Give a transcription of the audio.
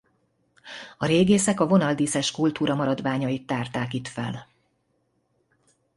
A régészek a vonaldíszes kultúra maradványait tárták itt fel.